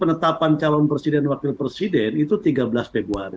penetapan calon presiden dan wakil presiden itu tiga belas februari